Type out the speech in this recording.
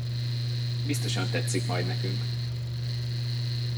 Biztosan tetszik majd nekünk!